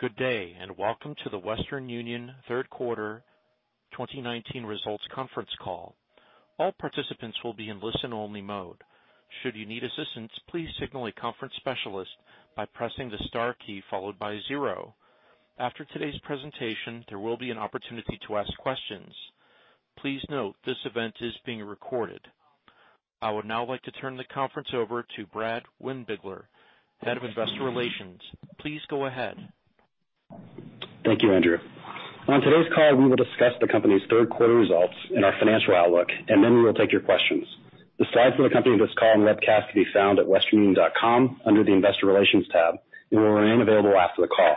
Good day, welcome to the Western Union third quarter 2019 results conference call. All participants will be in listen-only mode. Should you need assistance, please signal a conference specialist by pressing the star key followed by zero. After today's presentation, there will be an opportunity to ask questions. Please note this event is being recorded. I would now like to turn the conference over to Brad Windbigler, Head of Investor Relations. Please go ahead. Thank you, Andrew. On today's call, we will discuss the company's third quarter results and our financial outlook, and then we will take your questions. The slides for the company on this call and webcast can be found at westernunion.com under the investor relations tab and will remain available after the call.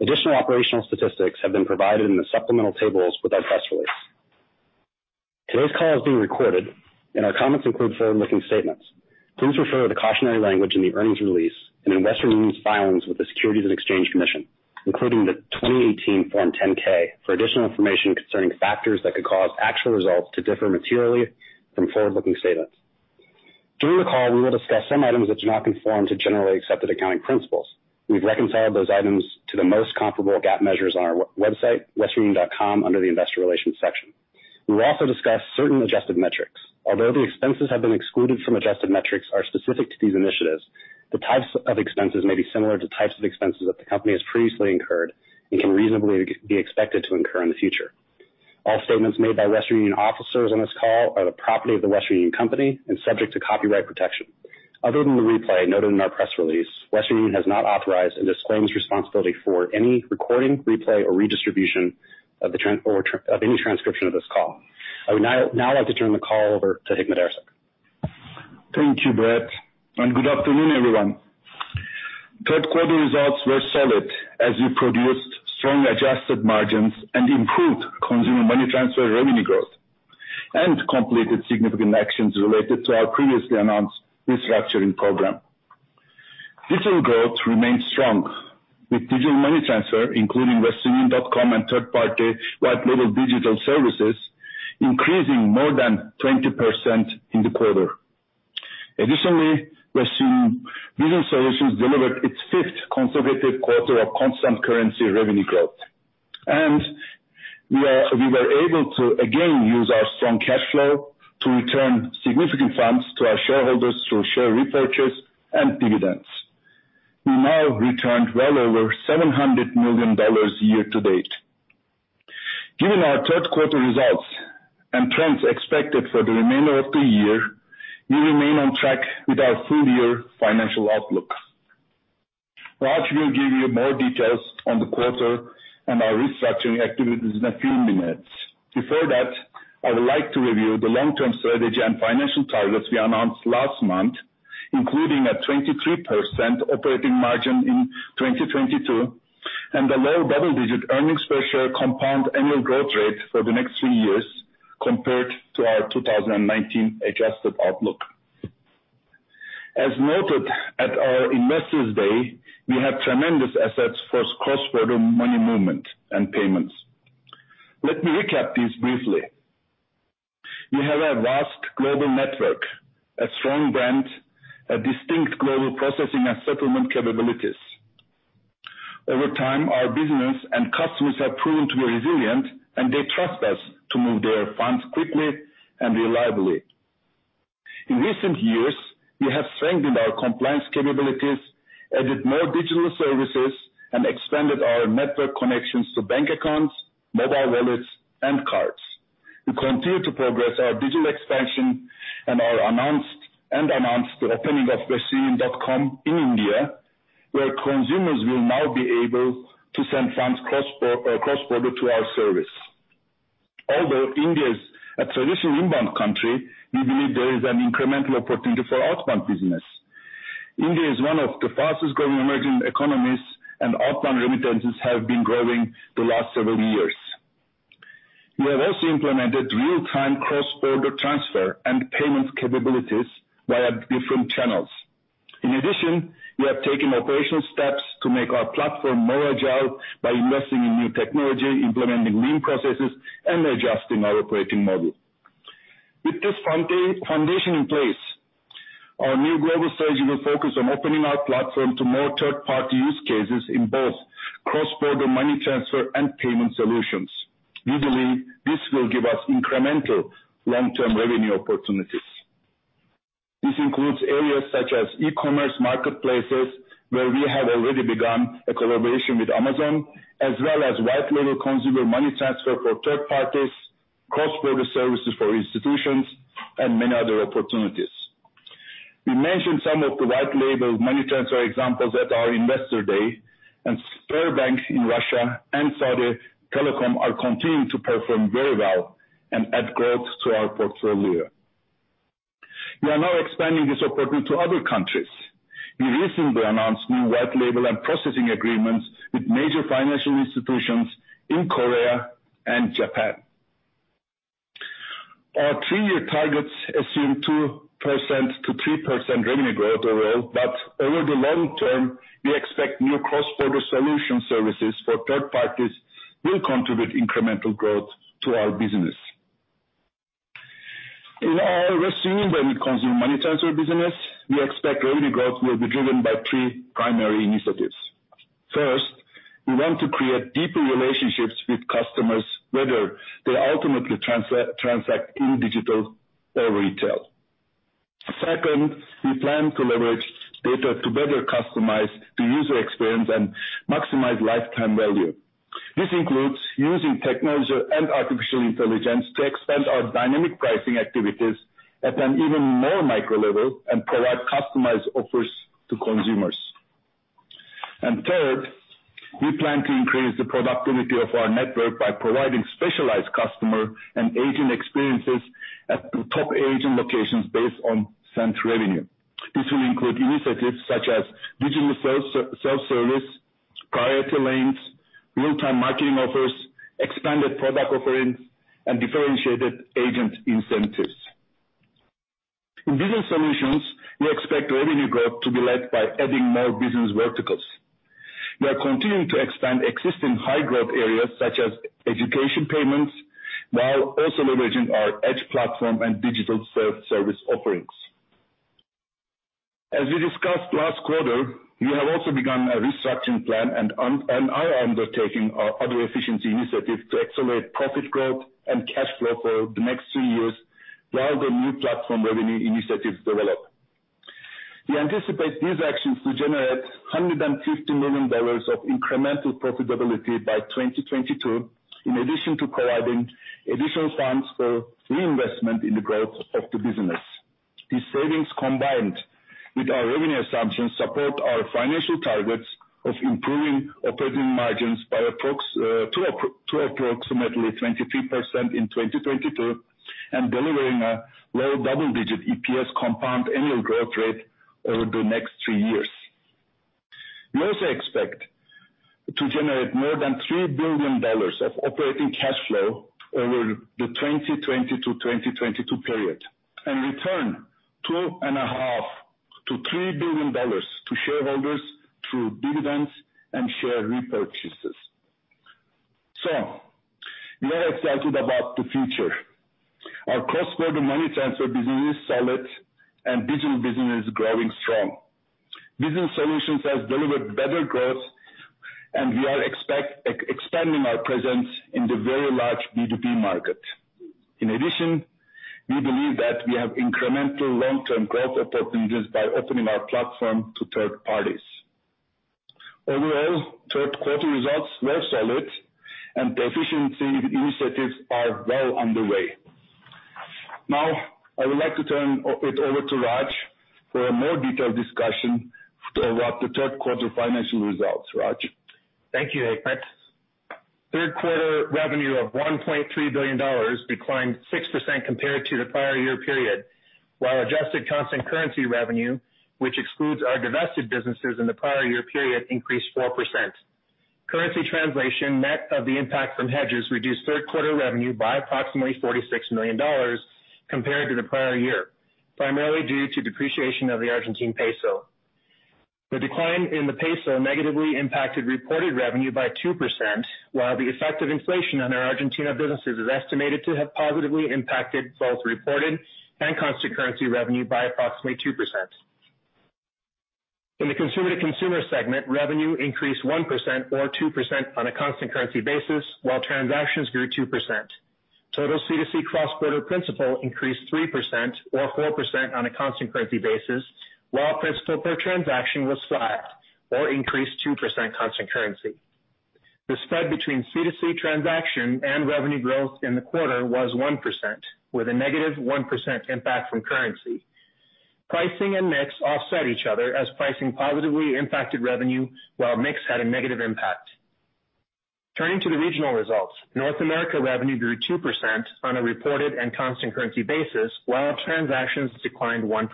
Additional operational statistics have been provided in the supplemental tables with our press release. Today's call is being recorded, and our comments include forward-looking statements. Please refer to the cautionary language in the earnings release and The Western Union's filings with the Securities and Exchange Commission, including the 2018 Form 10-K for additional information concerning factors that could cause actual results to differ materially from forward-looking statements. During the call, we will discuss some items that do not conform to generally accepted accounting principles. We've reconciled those items to the most comparable GAAP measures on our website, westernunion.com, under the investor relations section. Although the expenses have been excluded from adjusted metrics are specific to these initiatives, the types of expenses may be similar to types of expenses that the company has previously incurred and can reasonably be expected to incur in the future. All statements made by Western Union officers on this call are the property of The Western Union Company and subject to copyright protection. Other than the replay noted in our press release, Western Union has not authorized and disclaims responsibility for any recording, replay, or redistribution of any transcription of this call. I would now like to turn the call over to Hikmet Ersek. Thank you, Brad, good afternoon, everyone. Third quarter results were solid as we produced strong adjusted margins and improved Consumer Money Transfer revenue growth and completed significant actions related to our previously announced restructuring program. Digital growth remains strong, with digital money transfer, including westernunion.com and third-party white label digital services, increasing more than 20% in the quarter. Additionally, Western Union Business Solutions delivered its fifth consecutive quarter of constant currency revenue growth. We were able to again use our strong cash flow to return significant funds to our shareholders through share repurchase and dividends. We now returned well over $700 million year to date. Given our third quarter results and trends expected for the remainder of the year, we remain on track with our full-year financial outlook. Raj will give you more details on the quarter and our restructuring activities in a few minutes. Before that, I would like to review the long-term strategy and financial targets we announced last month, including a 23% operating margin in 2022 and a low double-digit earnings per share compound annual growth rate for the next three years compared to our 2019 adjusted outlook. As noted at our Investor Day, we have tremendous assets for cross-border money movement and payments. Let me recap these briefly. We have a vast global network, a strong brand, a distinct global processing and settlement capabilities. Over time, our business and customers have proven to be resilient, and they trust us to move their funds quickly and reliably. In recent years, we have strengthened our compliance capabilities, added more digital services, and expanded our network connections to bank accounts, mobile wallets, and cards. We continue to progress our digital expansion and announced the opening of westernunion.com in India, where consumers will now be able to send funds cross-border through our service. Although India is a traditional inbound country, we believe there is an incremental opportunity for outbound business. India is one of the fastest-growing emerging economies, and outbound remittances have been growing the last several years. We have also implemented real-time cross-border transfer and payment capabilities via different channels. In addition, we have taken operational steps to make our platform more agile by investing in new technology, implementing lean processes, and adjusting our operating model. With this foundation in place, our new global strategy will focus on opening our platform to more third-party use cases in both cross-border money transfer and payment solutions. We believe this will give us incremental long-term revenue opportunities. This includes areas such as e-commerce marketplaces, where we have already begun a collaboration with Amazon, as well as white label consumer money transfer for third parties, cross-border services for institutions, and many other opportunities. We mentioned some of the white label money transfer examples at our Investor Day, and Sberbank in Russia and Saudi Telecom are continuing to perform very well and add growth to our portfolio. We are now expanding this opportunity to other countries. We recently announced new white label and processing agreements with major financial institutions in Korea and Japan. Our three-year targets assume 2% to 3% revenue growth overall, but over the long term, we expect new cross-border solution services for third parties will contribute incremental growth to our business. In our consumer when it comes to money transfer business, we expect revenue growth will be driven by three primary initiatives. First, we want to create deeper relationships with customers, whether they ultimately transact in digital or retail. Second, we plan to leverage data to better customize the user experience and maximize lifetime value. This includes using technology and artificial intelligence to expand our dynamic pricing activities at an even more micro level and provide customized offers to consumers. Third, we plan to increase the productivity of our network by providing specialized customer and agent experiences at the top agent locations based on sent revenue. This will include initiatives such as digital self-service, priority lanes, real-time marketing offers, expanded product offerings, and differentiated agent incentives. In Business Solutions, we expect revenue growth to be led by adding more business verticals. We are continuing to expand existing high growth areas such as education payments, while also leveraging our WU EDGE platform and digital self-service offerings. As we discussed last quarter, we have also begun a restructuring plan and are undertaking other efficiency initiatives to accelerate profit growth and cash flow for the next three years while the new platform revenue initiatives develop. We anticipate these actions to generate $150 million of incremental profitability by 2022, in addition to providing additional funds for reinvestment in the growth of the business. These savings, combined with our revenue assumptions, support our financial targets of improving operating margins to approximately 23% in 2022 and delivering a low double-digit EPS compound annual growth rate over the next three years. We also expect to generate more than $3 billion of operating cash flow over the 2020-2022 period and return $2.5 billion-$3 billion to shareholders through dividends and share repurchases. We are excited about the future. Our cross-border money transfer business is solid and digital business is growing strong. Business Solutions has delivered better growth, and we are expanding our presence in the very large B2B market. In addition, we believe that we have incremental long-term growth opportunities by opening our platform to third parties. Overall, third quarter results were solid and the efficiency initiatives are well underway. Now, I would like to turn it over to Raj for a more detailed discussion about the third quarter financial results. Raj? Thank you, Hikmet. Third quarter revenue of $1.3 billion declined 6% compared to the prior year period, while adjusted constant currency revenue, which excludes our divested businesses in the prior year period, increased 4%. Currency translation net of the impact from hedges reduced Third quarter revenue by approximately $46 million compared to the prior year, primarily due to depreciation of the Argentine peso. The decline in the peso negatively impacted reported revenue by 2%, while the effect of inflation on our Argentina businesses is estimated to have positively impacted both reported and constant currency revenue by approximately 2%. In the consumer-to-consumer segment, revenue increased 1% or 2% on a constant currency basis, while transactions grew 2%. Total C2C cross-border principal increased 3% or 4% on a constant currency basis, while principal per transaction was flat or increased 2% constant currency. The spread between C2C transaction and revenue growth in the quarter was 1%, with a negative 1% impact from currency. Pricing and mix offset each other as pricing positively impacted revenue while mix had a negative impact. Turning to the regional results, North America revenue grew 2% on a reported and constant currency basis, while transactions declined 1%.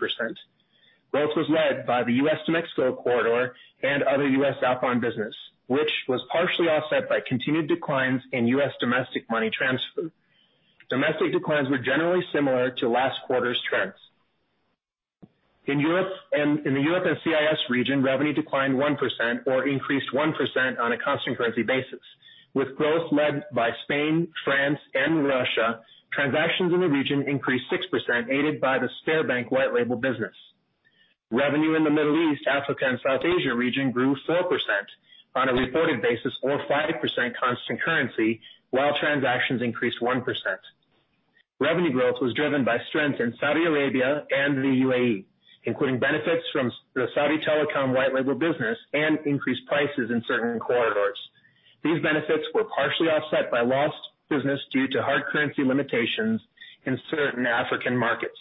Growth was led by the U.S.-Mexico corridor and other U.S. outbound business, which was partially offset by continued declines in U.S. Domestic Money Transfer. Domestic declines were generally similar to last quarter's trends. In the Europe and CIS region, revenue declined 1% or increased 1% on a constant currency basis, with growth led by Spain, France, and Russia. Transactions in the region increased 6%, aided by the Sberbank white label business. Revenue in the Middle East, Africa, and South Asia region grew 4% on a reported basis or 5% constant currency, while transactions increased 1%. Revenue growth was driven by strength in Saudi Arabia and the UAE, including benefits from the Saudi Telecom white label business and increased prices in certain corridors. These benefits were partially offset by lost business due to hard currency limitations in certain African markets.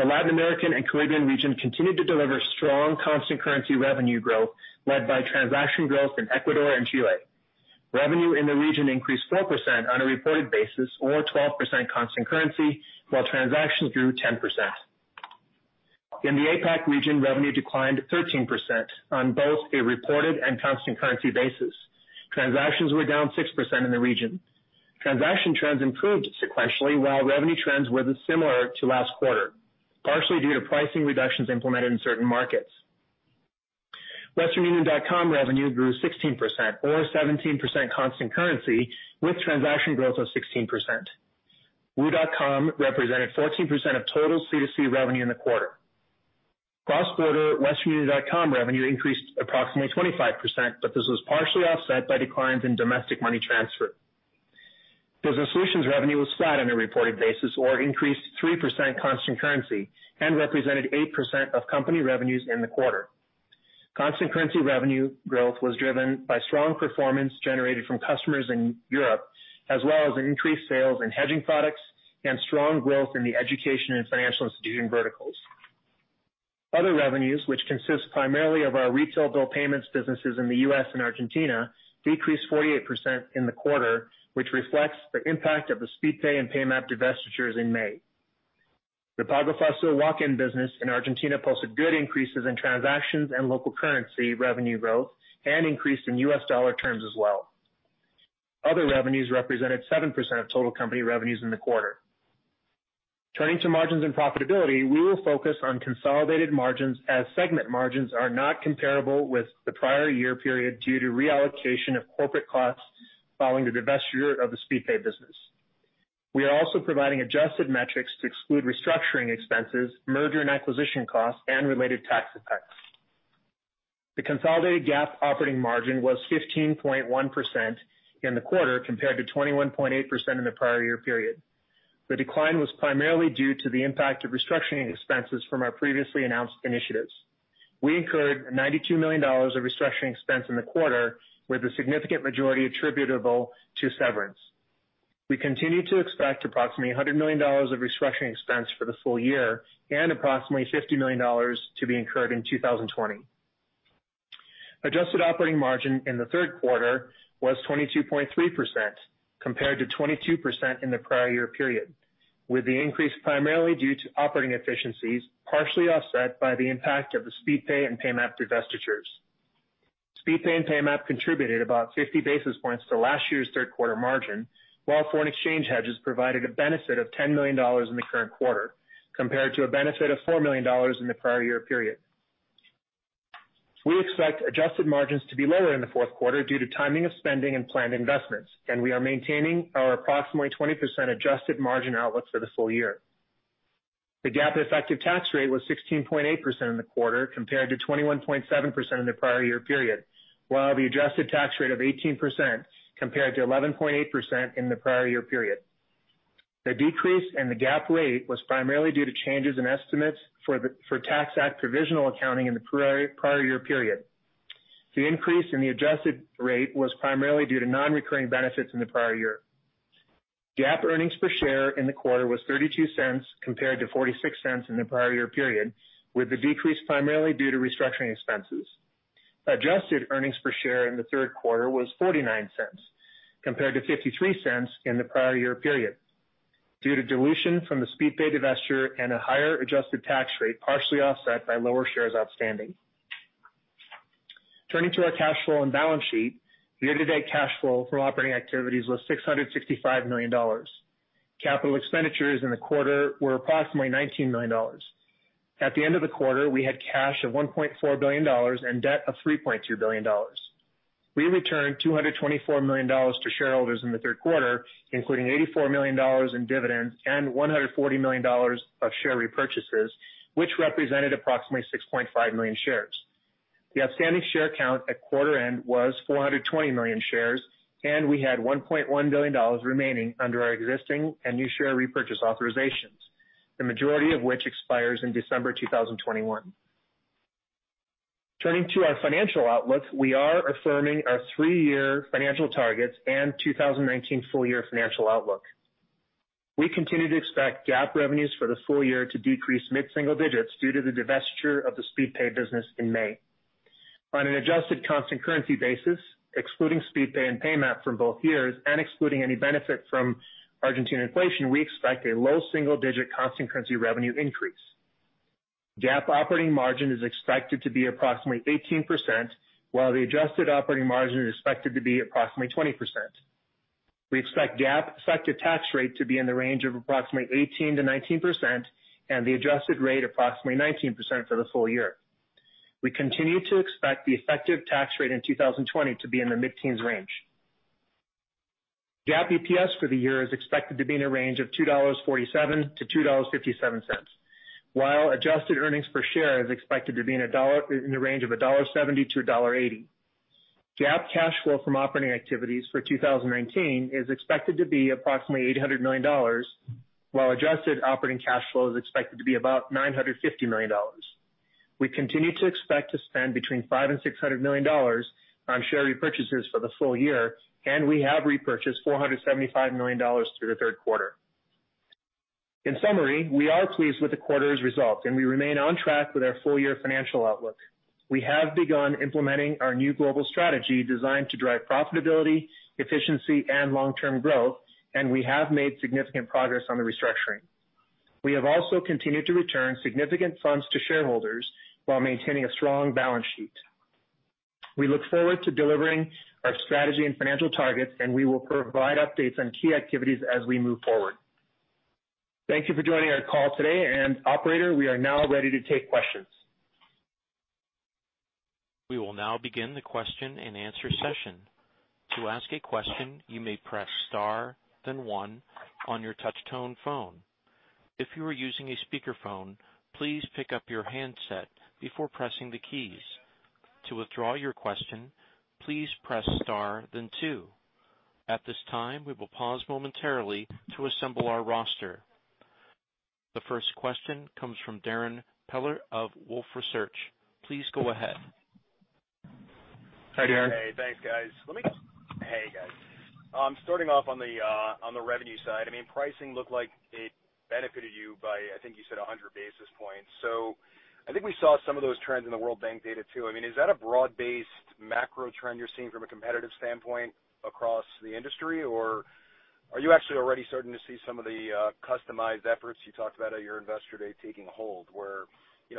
The Latin American and Caribbean region continued to deliver strong constant currency revenue growth, led by transaction growth in Ecuador and Chile. Revenue in the region increased 4% on a reported basis or 12% constant currency, while transactions grew 10%. In the APAC region, revenue declined 13% on both a reported and constant currency basis. Transactions were down 6% in the region. Transaction trends improved sequentially, while revenue trends were similar to last quarter, partially due to pricing reductions implemented in certain markets. westernunion.com revenue grew 16%, or 17% constant currency, with transaction growth of 16%. WU.com represented 14% of total C2C revenue in the quarter. Cross-border westernunion.com revenue increased approximately 25%, but this was partially offset by declines in domestic money transfer. Business solutions revenue was flat on a reported basis or increased 3% constant currency and represented 8% of company revenues in the quarter. Constant currency revenue growth was driven by strong performance generated from customers in Europe, as well as increased sales in hedging products and strong growth in the education and financial institution verticals. Other revenues, which consist primarily of our retail bill payments businesses in the U.S. and Argentina, decreased 48% in the quarter, which reflects the impact of the Speedpay and Paymap divestitures in May. The Pago Fácil walk-in business in Argentina posted good increases in transactions and local currency revenue growth and increased in U.S. dollar terms as well. Other revenues represented 7% of total company revenues in the quarter. Turning to margins and profitability, we will focus on consolidated margins as segment margins are not comparable with the prior year period due to reallocation of corporate costs following the divestiture of the Speedpay business. We are also providing adjusted metrics to exclude restructuring expenses, merger and acquisition costs, and related tax effects. The consolidated GAAP operating margin was 15.1% in the quarter compared to 21.8% in the prior year period. The decline was primarily due to the impact of restructuring expenses from our previously announced initiatives. We incurred $92 million of restructuring expense in the quarter, with a significant majority attributable to severance. We continue to expect approximately $100 million of restructuring expense for the full year and approximately $50 million to be incurred in 2020. Adjusted operating margin in the third quarter was 22.3% compared to 22% in the prior year period, with the increase primarily due to operating efficiencies, partially offset by the impact of the Speedpay and Paymap divestitures. Speedpay and Paymap contributed about 50 basis points to last year's third quarter margin, while foreign exchange hedges provided a benefit of $10 million in the current quarter compared to a benefit of $4 million in the prior year period. We expect adjusted margins to be lower in the fourth quarter due to timing of spending and planned investments, and we are maintaining our approximately 20% adjusted margin outlook for the full year. The GAAP effective tax rate was 16.8% in the quarter compared to 21.7% in the prior year period, while the adjusted tax rate of 18% compared to 11.8% in the prior year period. The decrease in the GAAP rate was primarily due to changes in estimates for tax act provisional accounting in the prior year period. The increase in the adjusted rate was primarily due to non-recurring benefits in the prior year. GAAP earnings per share in the quarter was $0.32 compared to $0.46 in the prior year period, with the decrease primarily due to restructuring expenses. Adjusted earnings per share in the third quarter was $0.49 compared to $0.53 in the prior year period due to dilution from the Speedpay divestiture and a higher adjusted tax rate, partially offset by lower shares outstanding. Turning to our cash flow and balance sheet, year-to-date cash flow from operating activities was $665 million. Capital expenditures in the quarter were approximately $19 million. At the end of the quarter, we had cash of $1.4 billion and debt of $3.2 billion. We returned $224 million to shareholders in the third quarter, including $84 million in dividends and $140 million of share repurchases, which represented approximately 6.5 million shares. The outstanding share count at quarter end was 420 million shares, and we had $1.1 billion remaining under our existing and new share repurchase authorizations, the majority of which expires in December 2021. Turning to our financial outlook, we are affirming our three-year financial targets and 2019 full-year financial outlook. We continue to expect GAAP revenues for the full year to decrease mid-single digits due to the divestiture of the Speedpay business in May. On an adjusted constant currency basis, excluding Speedpay and Paymap from both years and excluding any benefit from Argentine inflation, we expect a low single-digit constant currency revenue increase. GAAP operating margin is expected to be approximately 18%, while the adjusted operating margin is expected to be approximately 20%. We expect GAAP effective tax rate to be in the range of approximately 18%-19% and the adjusted rate approximately 19% for the full year. We continue to expect the effective tax rate in 2020 to be in the mid-teens range. GAAP EPS for the year is expected to be in a range of $2.47-$2.57, while adjusted earnings per share is expected to be in the range of $1.70-$1.80. GAAP cash flow from operating activities for 2019 is expected to be approximately $800 million, while adjusted operating cash flow is expected to be about $950 million. We continue to expect to spend between $500 million and $600 million on share repurchases for the full year, and we have repurchased $475 million through the third quarter. In summary, we are pleased with the quarter's results and we remain on track with our full-year financial outlook. We have begun implementing our new global strategy designed to drive profitability, efficiency, and long-term growth, and we have made significant progress on the restructuring. We have also continued to return significant funds to shareholders while maintaining a strong balance sheet. We look forward to delivering our strategy and financial targets, and we will provide updates on key activities as we move forward. Thank you for joining our call today, and operator, we are now ready to take questions. We will now begin the question and answer session. To ask a question, you may press star then one on your touch-tone phone. If you are using a speakerphone, please pick up your handset before pressing the keys. To withdraw your question, please press star then two. At this time, we will pause momentarily to assemble our roster. The first question comes from Darrin Peller of Wolfe Research. Please go ahead. Hi, Darrin. Hey, thanks guys. Hey, guys. Starting off on the revenue side. Pricing looked like it benefited you by, I think you said 100 basis points. I think we saw some of those trends in the World Bank data, too. Is that a broad-based macro trend you're seeing from a competitive standpoint across the industry, or are you actually already starting to see some of the customized efforts you talked about at your Investor Day taking hold where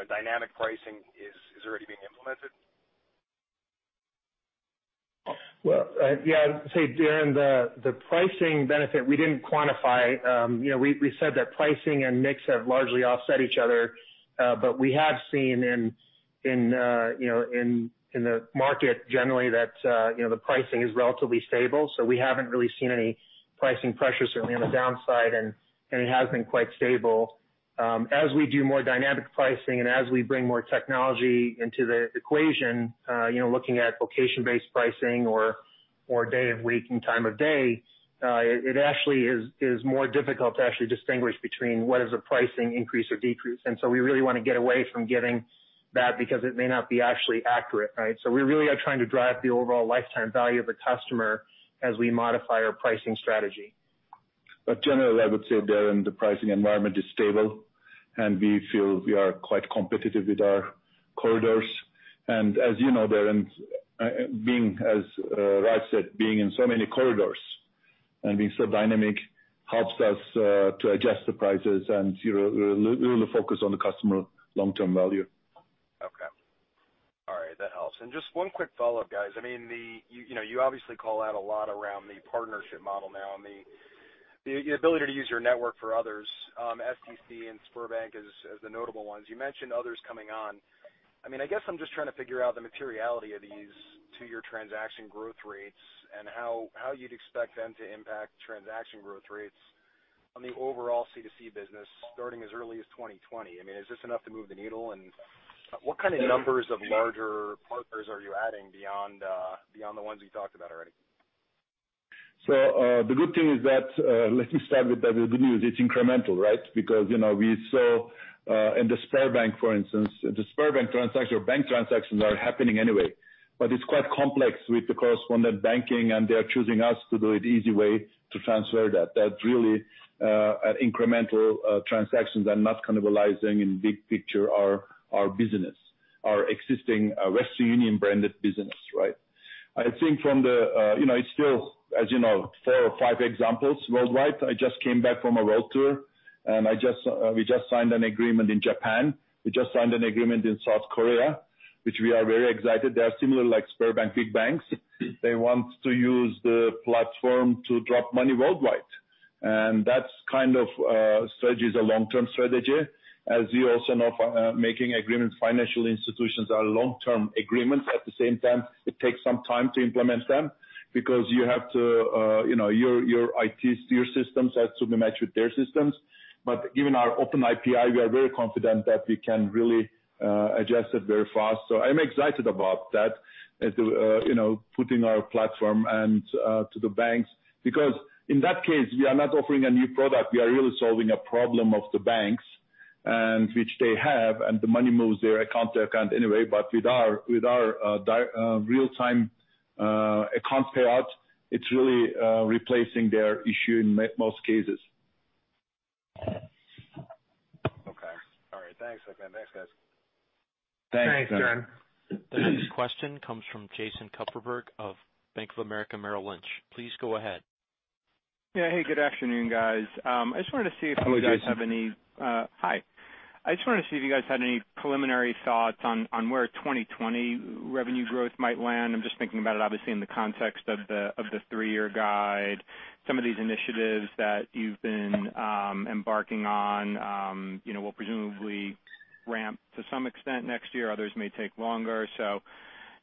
dynamic pricing is already being implemented? Well, yeah. I'd say, Darrin, the pricing benefit, we didn't quantify. We said that pricing and mix have largely offset each other. We have seen in the market generally that the pricing is relatively stable. We haven't really seen any pricing pressures certainly on the downside, and it has been quite stable. As we do more dynamic pricing and as we bring more technology into the equation, looking at location-based pricing or day of week and time of day, it actually is more difficult to actually distinguish between what is a pricing increase or decrease. We really want to get away from giving that because it may not be actually accurate, right? We really are trying to drive the overall lifetime value of a customer as we modify our pricing strategy. Generally, I would say, Darrin, the pricing environment is stable, and we feel we are quite competitive with our corridors. As you know, Darrin, being as Raj said, being in so many corridors and being so dynamic helps us to adjust the prices and really focus on the customer long-term value. Okay. All right. That helps. Just one quick follow-up, guys. You obviously call out a lot around the partnership model now and the ability to use your network for others, stc and Sberbank as the notable ones. You mentioned others coming on. I guess I'm just trying to figure out the materiality of these to your transaction growth rates and how you'd expect them to impact transaction growth rates on the overall C2C business starting as early as 2020. Is this enough to move the needle? What kind of numbers of larger partners are you adding beyond the ones you talked about already? The good thing is that, let me start with the good news. It's incremental, right? We saw in the Sberbank, for instance, the Sberbank transaction or bank transactions are happening anyway. It's quite complex with the correspondent banking, and they're choosing us to do it easy way to transfer that. That's really an incremental transactions and not cannibalizing in big picture our business, our existing Western Union branded business, right? I think it's still, as you know, four or five examples worldwide. I just came back from a world tour, we just signed an agreement in Japan. We just signed an agreement in South Korea, which we are very excited. They are similar like Sberbank, big banks. They want to use the platform to drop money worldwide. That's kind of strategy is a long-term strategy. As you also know, making agreements, financial institutions are long-term agreements. At the same time, it takes some time to implement them because your IT systems has to be matched with their systems. Given our open API, we are very confident that we can really adjust it very fast. I'm excited about that, putting our platform to the banks. Because in that case, we are not offering a new product, we are really solving a problem of the banks, and which they have, and the money moves their account to account anyway. With our real-time account payout, it's really replacing their issue in most cases. Okay. All right. Thanks. Thanks, guys. Thanks, Darrin. The next question comes from Jason Kupferberg of Bank of America Merrill Lynch. Please go ahead. Yeah. Hey, good afternoon, guys. I just wanted to see if you guys have any- Hello, Jason. Hi. I just wanted to see if you guys had any preliminary thoughts on where 2020 revenue growth might land. I'm just thinking about it obviously in the context of the 3-year guide. Some of these initiatives that you've been embarking on will presumably ramp to some extent next year. Others may take longer.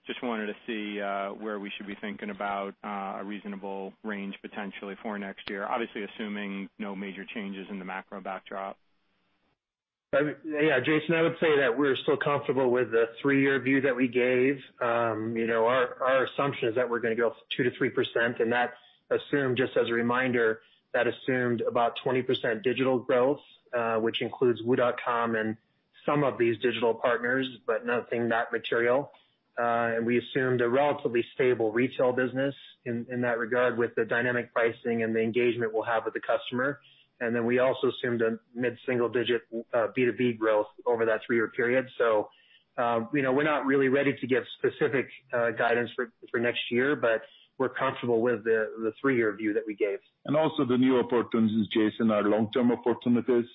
Just wanted to see where we should be thinking about a reasonable range potentially for next year, obviously assuming no major changes in the macro backdrop. Yeah, Jason, I would say that we're still comfortable with the three-year view that we gave. Our assumption is that we're going to go 2%-3%, and that's assumed, just as a reminder, that assumed about 20% digital growth, which includes wu.com and some of these digital partners, but nothing that material. We assumed a relatively stable retail business in that regard with the dynamic pricing and the engagement we'll have with the customer. We also assumed a mid-single digit B2B growth over that three-year period. We're not really ready to give specific guidance for next year, but we're comfortable with the three-year view that we gave. Also the new opportunities, Jason, are long-term opportunities.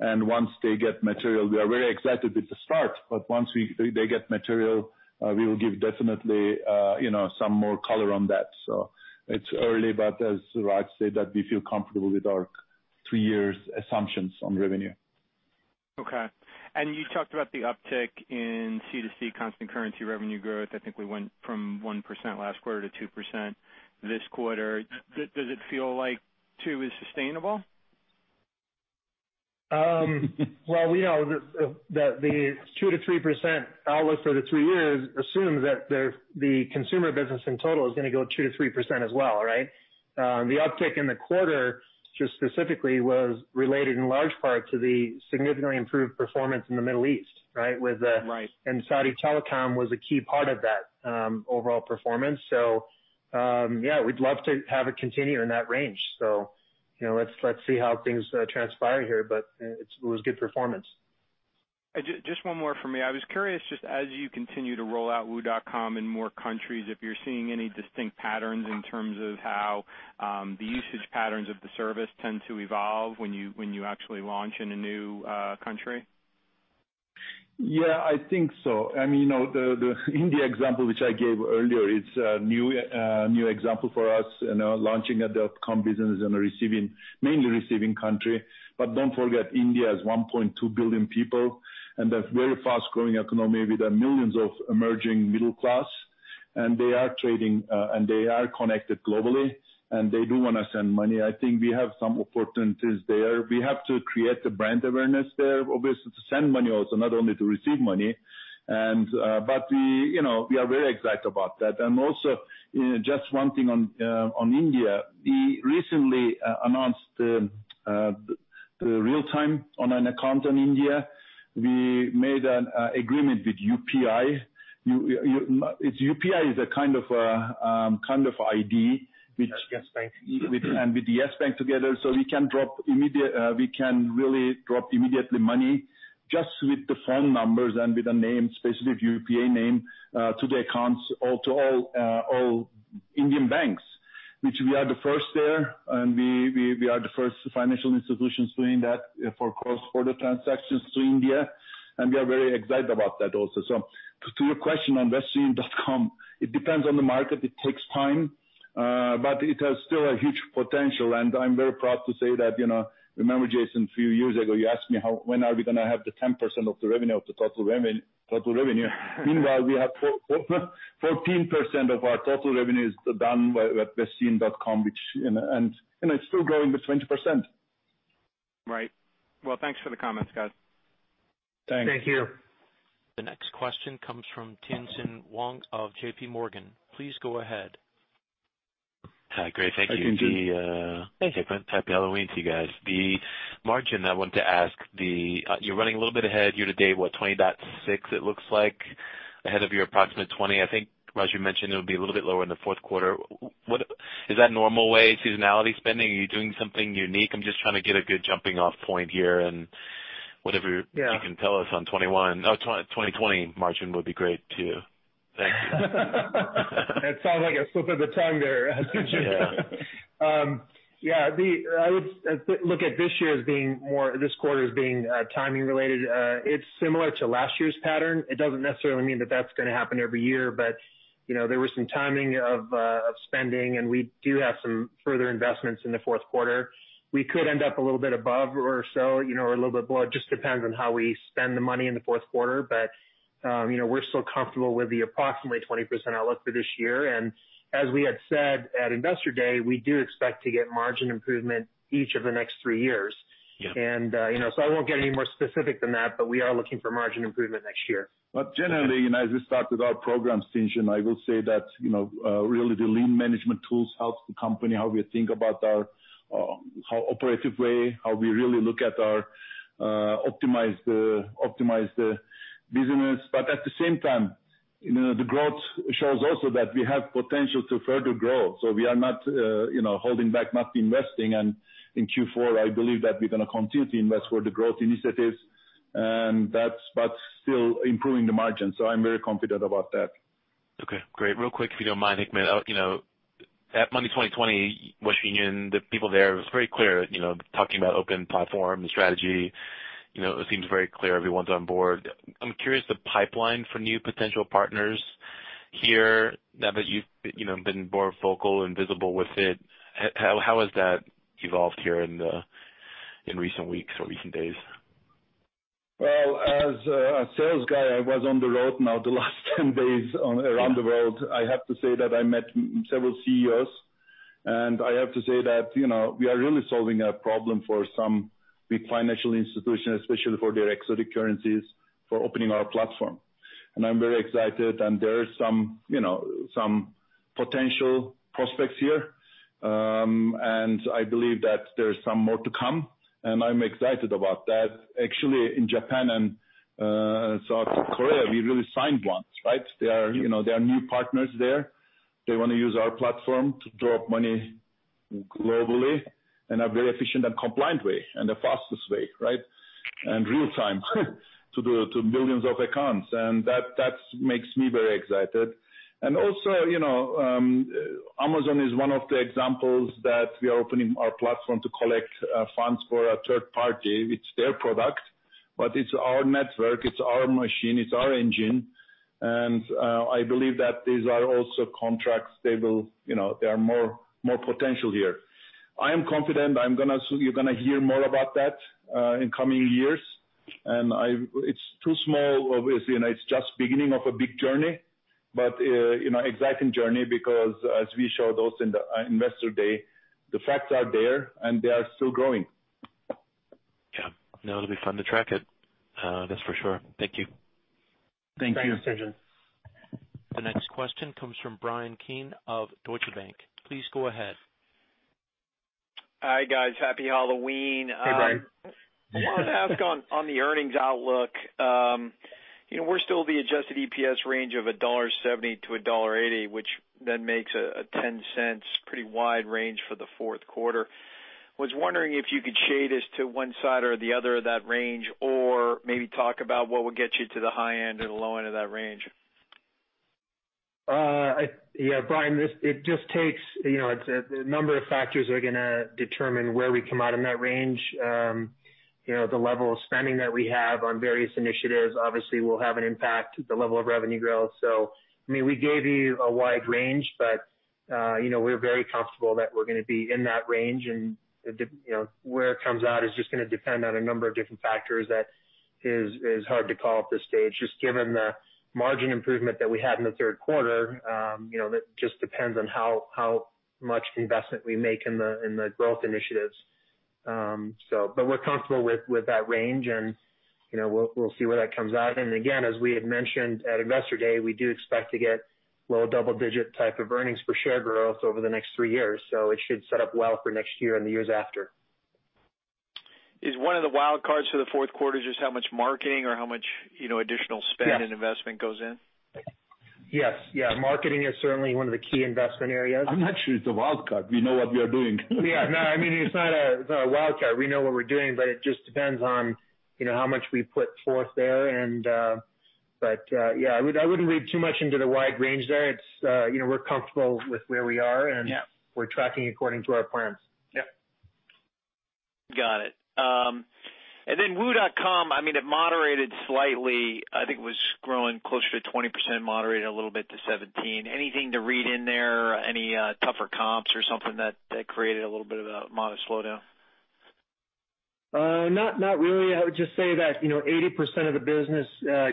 Once they get material, we are very excited with the start. Once they get material, we will give definitely some more color on that. It's early, but as Raj said, that we feel comfortable with our 3 years assumptions on revenue. Okay. You talked about the uptick in C2C constant currency revenue growth. I think we went from 1% last quarter to 2% this quarter. Does it feel like two is sustainable? Well, we know that the 2%-3% outlook for the three years assumes that the consumer business in total is going to go 2%-3% as well, right? The uptick in the quarter just specifically was related in large part to the significantly improved performance in the Middle East, right? Right. Saudi Telecom was a key part of that overall performance. Yeah, we'd love to have it continue in that range. Let's see how things transpire here, but it was good performance. Just one more from me. I was curious just as you continue to roll out WU.com in more countries, if you're seeing any distinct patterns in terms of how the usage patterns of the service tend to evolve when you actually launch in a new country? Yeah, I think so. I mean, the India example which I gave earlier, it's a new example for us launching a dot com business in a mainly receiving country. Don't forget India is 1.2 billion people and a very fast-growing economy with millions of emerging middle class. They are trading, and they are connected globally, and they do want to send money. I think we have some opportunities there. We have to create the brand awareness there, obviously to send money also, not only to receive money. We are very excited about that. Also, just one thing on India. We recently announced the real time on an account in India. We made an agreement with UPI. UPI is a kind of ID which- Yes Bank. With Yes Bank together, so we can really drop immediately money just with the phone numbers and with the name, especially with UPI name, to the accounts to all Indian banks. We are the first there. We are the first financial institutions doing that for cross-border transactions to India. We are very excited about that also. To your question on westernunion.com, it depends on the market. It takes time. It has still a huge potential. I'm very proud to say that. Remember Jason, a few years ago, you asked me when are we going to have the 10% of the revenue of the total revenue. Meanwhile we have 14% of our total revenue is done by westernunion.com. It's still growing with 20%. Right. Well, thanks for the comments, guys. Thanks. Thank you. The next question comes from Tien-Tsin Huang of J.P. Morgan. Please go ahead. Hi. Great. Thank you. Hi, Tien-Tsin. Hey. Happy Halloween to you guys. The margin I want to ask. You're running a little bit ahead year-to-date, what 20.6 it looks like, ahead of your approximate 20. I think Raj you mentioned it would be a little bit lower in the fourth quarter. Is that normal way seasonality spending? Are you doing something unique? I'm just trying to get a good jumping off point here and whatever you can tell us on 2021, 2020 margin would be great too. Thank you. That sounds like a slip of the tongue there, Tien-Tsin. Yeah. Yeah. I would look at this quarter as being timing related. It's similar to last year's pattern. It doesn't necessarily mean that that's going to happen every year. There was some timing of spending, and we do have some further investments in the fourth quarter. We could end up a little bit above or so, or a little bit below, it just depends on how we spend the money in the fourth quarter. We're still comfortable with the approximately 20% outlook for this year. As we had said at Investor Day, we do expect to get margin improvement each of the next three years. Yeah. I won't get any more specific than that, but we are looking for margin improvement next year. Generally, as we start with our program, Tien-Tsin, I will say that really the lean management tools helps the company, how we think about our operative way, how we really look at our optimized business. At the same time, the growth shows also that we have potential to further grow. We are not holding back, not investing. In Q4, I believe that we're going to continue to invest for the growth initiatives, but still improving the margin. I'm very confident about that. Great. Real quick, if you don't mind, Hikmet. At Money20/20, Western Union, the people there, it was very clear talking about open platform strategy. It seems very clear everyone's on board. I'm curious, the pipeline for new potential partners here now that you've been more vocal and visible with it, how has that evolved here in recent weeks or recent days? Well, as a sales guy, I was on the road now the last 10 days around the world. I have to say that I met several CEOs, and I have to say that we are really solving a problem for some big financial institutions, especially for their exotic currencies, for opening our platform. I'm very excited, and there are some potential prospects here. I believe that there's some more to come, and I'm excited about that. Actually, in Japan and South Korea, we really signed ones, right. There are new partners there. They want to use our platform to drop money globally in a very efficient and compliant way, and the fastest way, right. Real time to billions of accounts. That makes me very excited. Also Amazon is one of the examples that we are opening our platform to collect funds for a third party with their product. It's our network, it's our machine, it's our engine. I believe that these are also contracts, there are more potential here. I am confident you're going to hear more about that in coming years. It's too small, obviously, and it's just beginning of a big journey, but exciting journey because as we show those in the Investor Day, the facts are there, and they are still growing. Yeah. No, it'll be fun to track it. That's for sure. Thank you. Thank you. Thanks, Tien-Tsin. The next question comes from Bryan Keane of Deutsche Bank. Please go ahead. Hi, guys. Happy Halloween. Hey, Bryan. I wanted to ask on the earnings outlook. We're still the adjusted EPS range of $1.70-$1.80, which makes a $0.10 pretty wide range for the fourth quarter. Was wondering if you could shade us to one side or the other of that range, or maybe talk about what would get you to the high end or the low end of that range. Yeah, Bryan, a number of factors are going to determine where we come out in that range. The level of spending that we have on various initiatives obviously will have an impact the level of revenue growth. We gave you a wide range, but we're very comfortable that we're going to be in that range and where it comes out is just going to depend on a number of different factors that is hard to call at this stage, just given the margin improvement that we had in the third quarter. That just depends on how much investment we make in the growth initiatives. We're comfortable with that range, and we'll see where that comes out. Again, as we had mentioned at Investor Day, we do expect to get low double-digit type of earnings per share growth over the next three years. It should set up well for next year and the years after. Is one of the wild cards for the fourth quarter just how much marketing or how much additional spend? Yes Investment goes in? Yes. Marketing is certainly one of the key investment areas. I'm not sure it's a wild card. We know what we are doing. Yeah. No, it's not a wild card. We know what we're doing, but it just depends on how much we put forth there. Yeah, I wouldn't read too much into the wide range there. We're comfortable with where we are and. Yeah we're tracking according to our plans. Yeah. Got it. WU.com, it moderated slightly. I think it was growing closer to 20%, moderated a little bit to 17%. Anything to read in there? Any tougher comps or something that created a little bit of a modest slowdown? Not really. I would just say that 80% of the business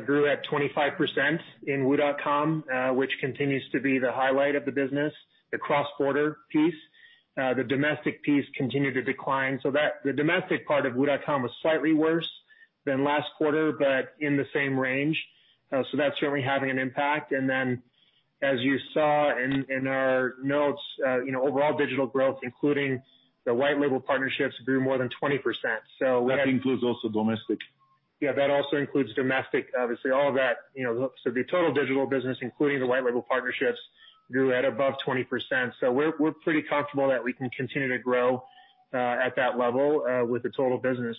grew at 25% in WU.com, which continues to be the highlight of the business, the cross-border piece. The domestic piece continued to decline. The domestic part of WU.com was slightly worse than last quarter, but in the same range. That's certainly having an impact. As you saw in our notes, overall digital growth, including the white label partnerships, grew more than 20%. That includes also domestic. Yeah, that also includes domestic. Obviously, all of that. The total digital business, including the white label partnerships, grew at above 20%. We're pretty comfortable that we can continue to grow at that level with the total business.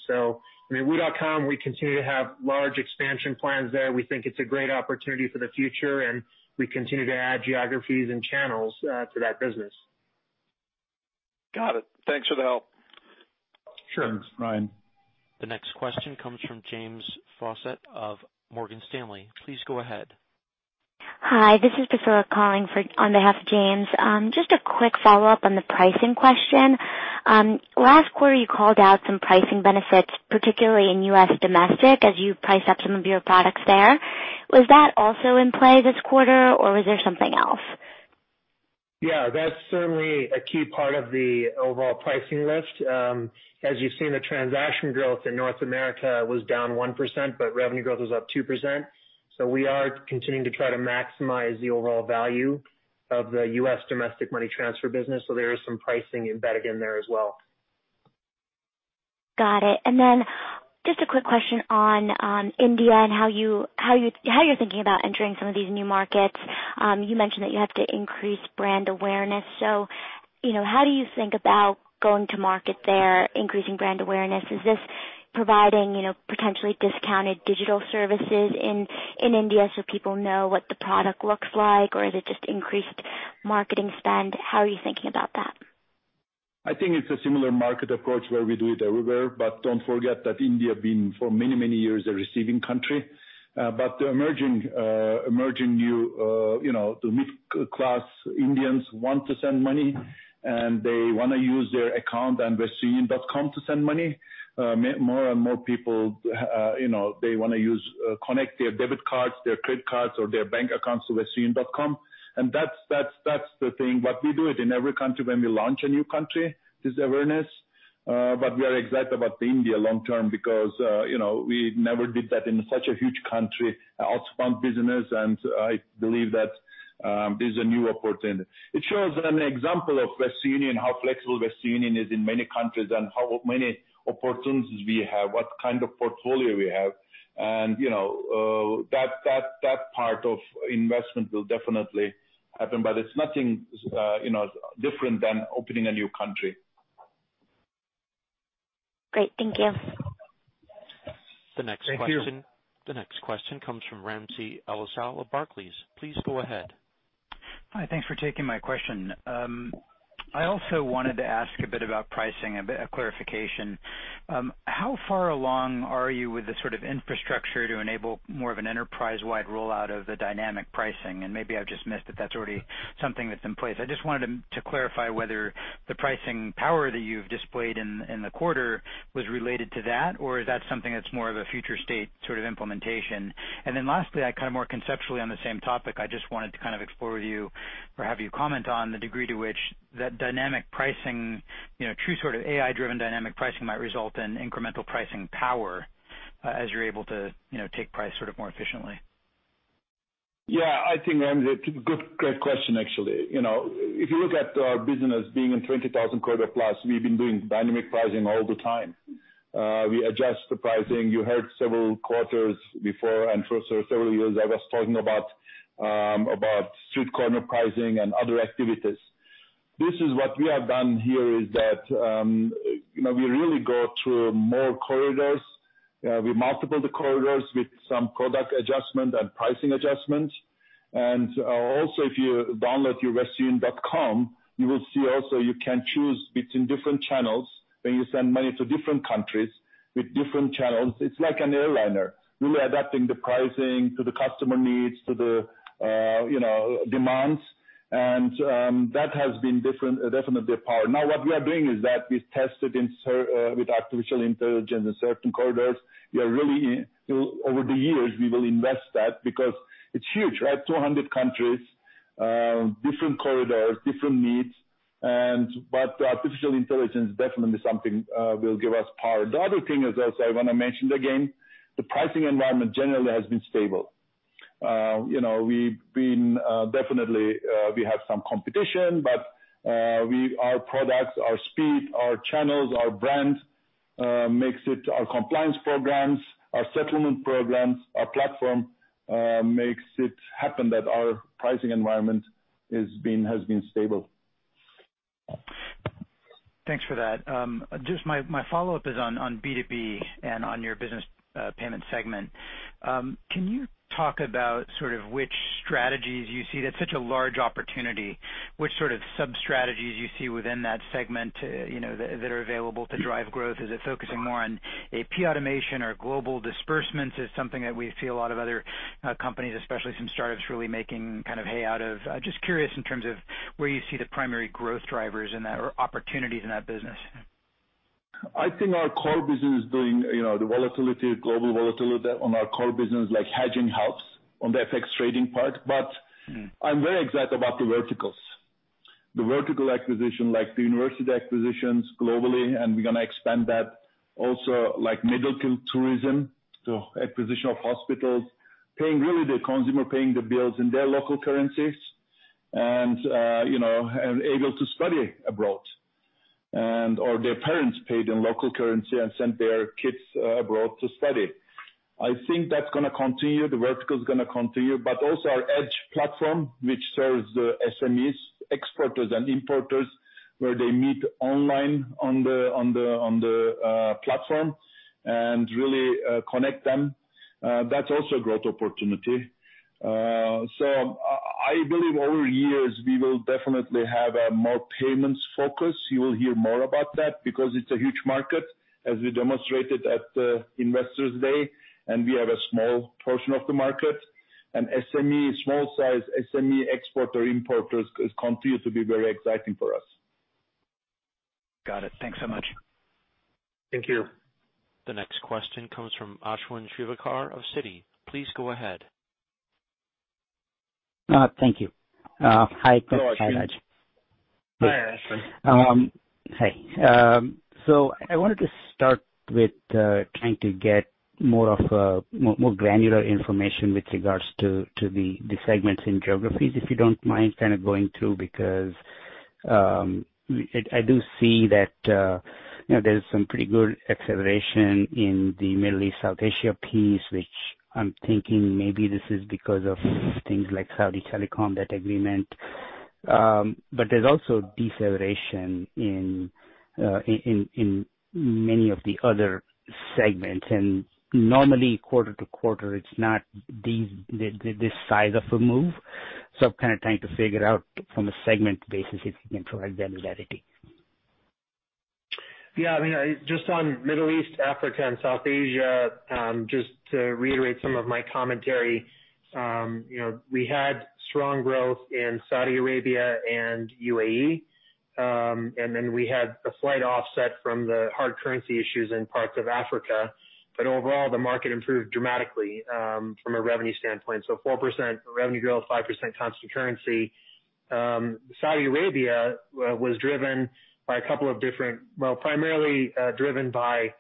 wu.com, we continue to have large expansion plans there. We think it's a great opportunity for the future, and we continue to add geographies and channels to that business. Got it. Thanks for the help. Sure. Thanks, Bryan. The next question comes from James Faucette of Morgan Stanley. Please go ahead. Hi, this is Priscilla calling on behalf of James. A quick follow-up on the pricing question. Last quarter you called out some pricing benefits, particularly in U.S. domestic as you priced up some of your products there. Was that also in play this quarter or was there something else? Yeah. That's certainly a key part of the overall pricing lift. As you've seen, the transaction growth in North America was down 1%, but revenue growth was up 2%. We are continuing to try to maximize the overall value of the U.S. domestic money transfer business. There is some pricing embedded in there as well. Got it. Just a quick question on India and how you're thinking about entering some of these new markets. You mentioned that you have to increase brand awareness, so how do you think about going to market there, increasing brand awareness? Is this providing potentially discounted digital services in India so people know what the product looks like, or is it just increased marketing spend? How are you thinking about that? I think it's a similar market approach where we do it everywhere. Don't forget that India been, for many, many years, a receiving country. The emerging new, the middle class Indians want to send money, and they want to use their account on westernunion.com to send money. More and more people they want to connect their debit cards, their credit cards, or their bank accounts to westernunion.com. That's the thing. We do it in every country when we launch a new country, this awareness. We are excited about the India long term because we never did that in such a huge country, outbound business, and I believe that there's a new opportunity. It shows an example of Western Union, how flexible Western Union is in many countries and how many opportunities we have, what kind of portfolio we have. That part of investment will definitely happen, but it's nothing different than opening a new country. Great. Thank you. Thank you. The next question comes from Ramsey El-Assal of Barclays. Please go ahead. Hi. Thanks for taking my question. I also wanted to ask a bit about pricing, a bit of clarification. How far along are you with the sort of infrastructure to enable more of an enterprise-wide rollout of the dynamic pricing? Maybe I've just missed if that's already something that's in place. I just wanted to clarify whether the pricing power that you've displayed in the quarter was related to that, or is that something that's more of a future state sort of implementation? Lastly, more conceptually on the same topic, I just wanted to explore with you or have you comment on the degree to which that dynamic pricing, true sort of AI-driven dynamic pricing might result in incremental pricing power, as you're able to take price more efficiently. Yeah. I think that is a great question, actually. If you look at our business being in 20,000 corridor plus, we've been doing dynamic pricing all the time. We adjust the pricing. You heard several quarters before, and for several years, I was talking about street corner pricing and other activities. This is what we have done here, is that we really go through more corridors. We multiply the corridors with some product adjustment and pricing adjustment. Also if you download your westernunion.com, you will see also you can choose between different channels, when you send money to different countries with different channels. It's like an airliner, really adapting the pricing to the customer needs, to the demands. That has been definitely a power. Now, what we are doing is that we've tested with artificial intelligence in certain corridors. Over the years, we will invest that because it's huge, right? 200 countries, different corridors, different needs. Artificial intelligence is definitely something will give us power. The other thing is also I want to mention again, the pricing environment generally has been stable. Definitely we have some competition, our products, our speed, our channels, our brand, our compliance programs, our settlement programs, our platform makes it happen that our pricing environment has been stable. Thanks for that. Just my follow-up is on B2B and on your business payment segment. Can you talk about which strategies you see? That's such a large opportunity. Which sort of sub-strategies you see within that segment that are available to drive growth? Is it focusing more on AP automation or global disbursements? Is something that we see a lot of other companies, especially some startups, really making kind of hay out of. Just curious in terms of where you see the primary growth drivers in that or opportunities in that business. I think our core business doing the volatility, global volatility on our core business like hedging helps on the FX trading part. I'm very excited about the verticals. The vertical acquisition, like the university acquisitions globally, and we're going to expand that also like medical tourism to acquisition of hospitals, really the consumer paying the bills in their local currencies, and able to study abroad. Or their parents paid in local currency and sent their kids abroad to study. I think that's going to continue. The vertical is going to continue, but also our Edge platform, which serves the SMEs, exporters and importers, where they meet online on the platform and really connect them. That's also a growth opportunity. I believe over years, we will definitely have a more payments focus. You will hear more about that because it's a huge market, as we demonstrated at the Investor Day, and we have a small portion of the market. SME, small size SME exporter-importers continue to be very exciting for us. Got it. Thanks so much. Thank you. The next question comes from Ashwin Shirvaikar of Citi. Please go ahead. Thank you. Hi, Chris. Hi, Raj. Hi, Ashwin. Hi. I wanted to start with trying to get more granular information with regards to the segments in geographies, if you don't mind kind of going through, because I do see that there's some pretty good acceleration in the Middle East South Asia piece, which I'm thinking maybe this is because of things like Saudi Telecom, that agreement. There's also deceleration in many of the other segments. Normally quarter-to-quarter, it's not this size of a move. I'm kind of trying to figure out from a segment basis if you can provide the similarity. Yeah. Just on Middle East, Africa, and South Asia, just to reiterate some of my commentary. We had strong growth in Saudi Arabia and UAE. Then we had a slight offset from the hard currency issues in parts of Africa. Overall, the market improved dramatically, from a revenue standpoint. 4% revenue growth, 5% constant currency. Saudi Arabia was driven by a couple of different Well, primarily driven by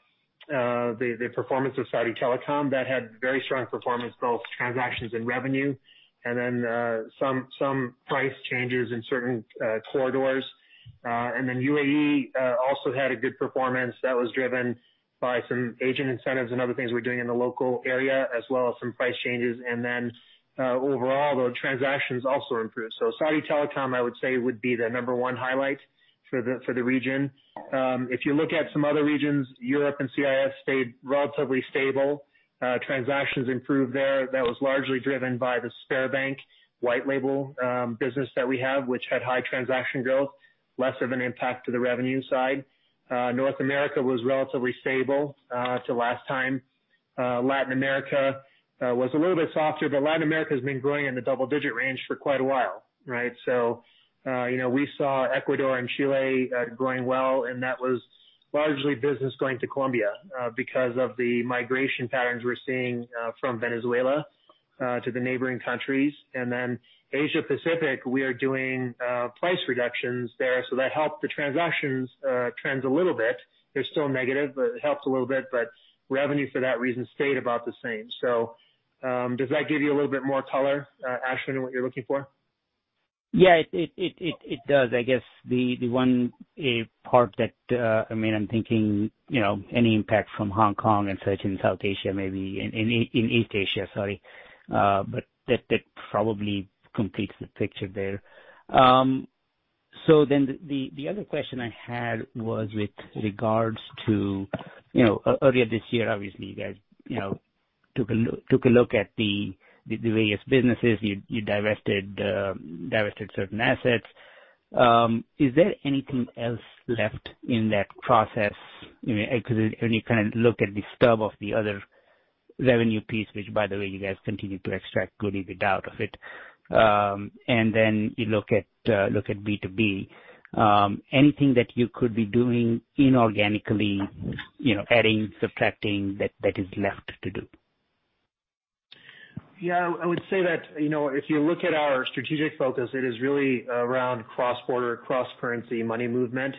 the performance of Saudi Telecom that had very strong performance, both transactions and revenue, and then some price changes in certain corridors. Then UAE also had a good performance that was driven by some agent incentives and other things we're doing in the local area, as well as some price changes. Then overall, the transactions also improved. Saudi Telecom, I would say, would be the number 1 highlight for the region. If you look at some other regions, Europe and CIS stayed relatively stable. Transactions improved there. That was largely driven by the Sberbank white label business that we have, which had high transaction growth, less of an impact to the revenue side. North America was relatively stable to last time. Latin America was a little bit softer, but Latin America's been growing in the double-digit range for quite a while. Right? We saw Ecuador and Chile growing well, and that was largely business going to Colombia because of the migration patterns we're seeing from Venezuela to the neighboring countries. Asia Pacific, we are doing price reductions there, so that helped the transactions trends a little bit. They're still negative, but it helps a little bit. Revenue for that reason stayed about the same. Does that give you a little bit more color, Ashwin, in what you're looking for? Yeah, it does. I guess the one part that I'm thinking any impact from Hong Kong and such in South Asia, maybe in East Asia, sorry. That probably completes the picture there. The other question I had was with regards to earlier this year, obviously, you guys took a look at the various businesses. You divested certain assets. Is there anything else left in that process? Because when you look at the stub of the other revenue piece, which by the way, you guys continue to extract good EBITDA out of it. You look at B2B. Anything that you could be doing inorganically adding, subtracting, that is left to do? Yeah, I would say that if you look at our strategic focus, it is really around cross-border, cross-currency money movement.